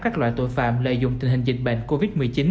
các loại tội phạm lợi dụng tình hình dịch bệnh covid một mươi chín